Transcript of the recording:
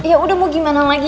ya udah mau gimana lagi